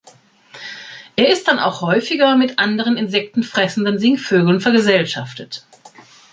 Er ist dann auch häufiger mit anderen insektenfressenden Singvögeln vergesellschaftet.